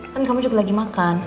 kan kamu juga lagi makan